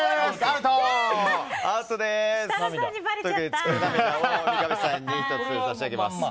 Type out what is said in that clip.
月の涙を三上さんに２つ差し上げます。